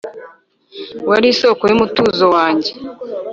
Wari isoko yumutuzo wanjye